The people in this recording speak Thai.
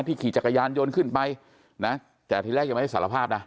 ขี่จักรยานยนต์ขึ้นไปนะแต่ทีแรกยังไม่ได้สารภาพนะ